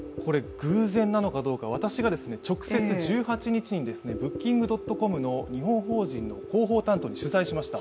偶然なのか、私が直接１８日にブッキングドットコムの日本法人の広報担当に取材しました。